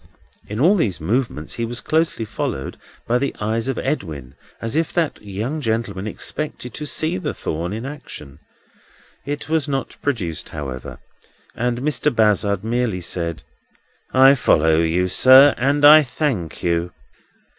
In all these movements he was closely followed by the eyes of Edwin, as if that young gentleman expected to see the thorn in action. It was not produced, however, and Mr. Bazzard merely said: "I follow you, sir, and I thank you."